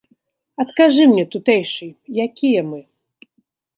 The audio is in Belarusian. Адкажы мне, тутэйшы, якія мы?